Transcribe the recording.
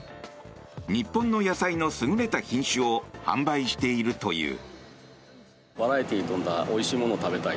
日本の野菜の優れた品種を販売しているという。